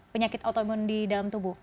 penyakit autoimun di dalam tubuh